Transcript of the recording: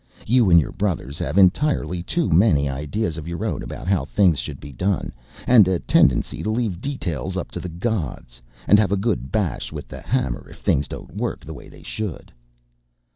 You and your brothers have entirely too many ideas of your own about how things should be done, and a tendency to leave details up to the gods and have a good bash with the hammer if things don't work the way they should."